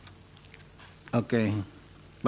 bawaslu tidak melihat ada dampak yang berbeda